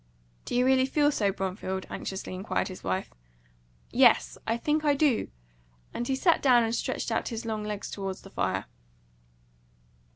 "Do you really feel so, Bromfield?" anxiously inquired his wife. "Yes I think I do;" and he sat down, and stretched out his long legs toward the fire.